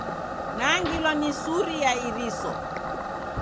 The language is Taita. Nangilwa ni suri ya iriso.